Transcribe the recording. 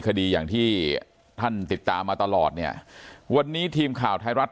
คดีอย่างที่ท่านติดตามมาตลอดเนี่ยวันนี้ทีมข่าวไทยรัฐ